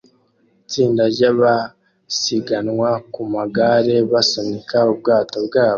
Itsinda ryabasiganwa ku magare basunika ubwato bwabo